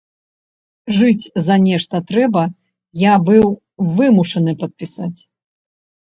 Жыць за нешта трэба, я быў вымушаны падпісаць.